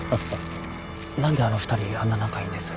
何であの２人あんな仲いいんです？